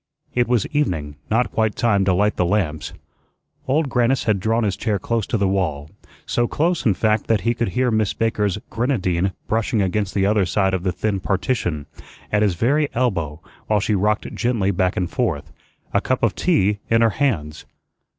It was evening; not quite time to light the lamps. Old Grannis had drawn his chair close to the wall so close, in fact, that he could hear Miss Baker's grenadine brushing against the other side of the thin partition, at his very elbow, while she rocked gently back and forth, a cup of tea in her hands.